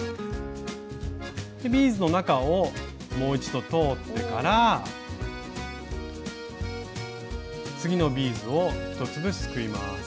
ビーズの中をもう一度通ってから次のビーズを１粒すくいます。